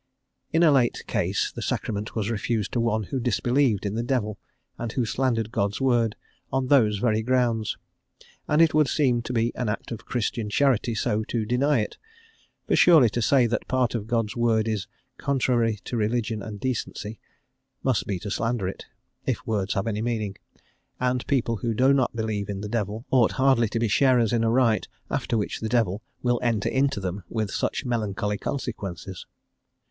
In a late case, the Sacrament was refused to one who disbelieved in the devil and who slandered God's word, on those very grounds, and it would seem to be an act of Christian charity so to deny it; for surely to say that part of God's word is "contrary to religion and decency" must be to slander it, if words have any meaning, and people who do not believe in the devil ought hardly to be sharers in a rite after which the devil will enter into them with such melancholy consequences.